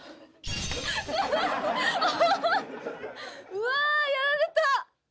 うわー！やられた。